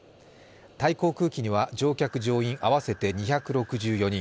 タイ航空機には乗客・乗員合わせて２６４人